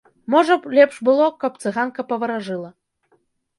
Можа б, лепш было, каб цыганка паваражыла.